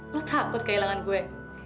lo takut kehilangan gue